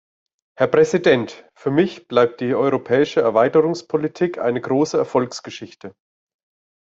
Herr Präsident! Für mich bleibt die europäische Erweiterungspolitik eine große Erfolgsgeschichte.